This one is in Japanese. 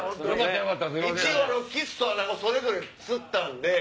一応キスとアナゴそれぞれ釣ったんで。